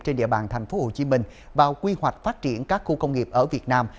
trên địa bàn tp hcm vào quy hoạch phát triển các khu công nghiệp ở việt nam